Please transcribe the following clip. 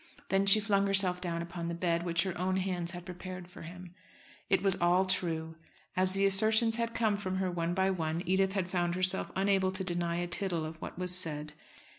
Then she flung herself down upon the bed which her own hands had prepared for him. It was all true. As the assertions had come from her one by one, Edith had found herself unable to deny a tittle of what was said.